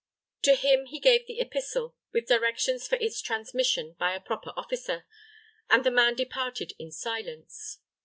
To him he gave the epistle, with directions for its transmission by a proper officer, and the man departed in silence.